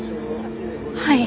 はい。